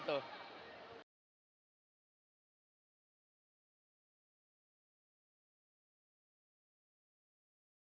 nah ada beberapa cabang yang mulai bergerak ke arah sana gitu loh